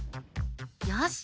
よし！